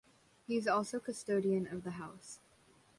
He is also custodian of the house.